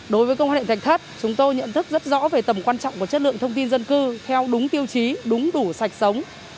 đối với công nghệ thạch thất chúng tôi nhận thức rất rõ về tầm quan trọng của chất lượng thông tin dân cư theo đúng tiêu chí đúng đủ sạch sống